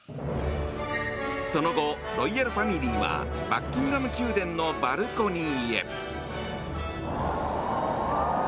その後、ロイヤルファミリーはバッキンガム宮殿のバルコニーへ。